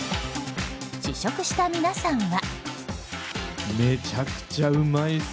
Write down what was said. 試食した皆さんは。